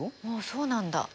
ああそうなんだ。